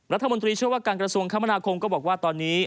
รัฐมนตรีเชื่อว่าการกระทรวงคมนาคมก็บอกว่าตอนนี้